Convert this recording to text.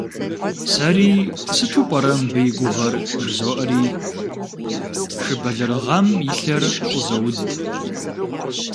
Сэри, сыту пӀэрэ мыбы и гугъэр, жызоӀэри, шы бэлэрыгъам и лъэр щӀызоуд.